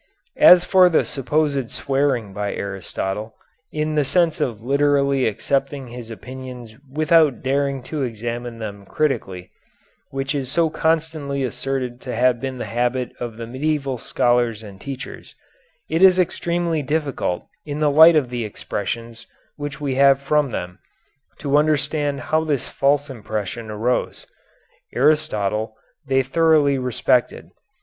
As for the supposed swearing by Aristotle, in the sense of literally accepting his opinions without daring to examine them critically, which is so constantly asserted to have been the habit of the medieval scholars and teachers, it is extremely difficult in the light of the expressions which we have from them, to understand how this false impression arose. Aristotle they thoroughly respected.